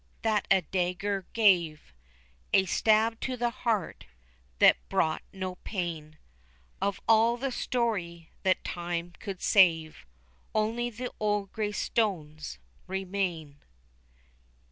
that a dagger gave A stab to the heart that brought no pain; Of all the story that Time could save Only the old grey stones remain.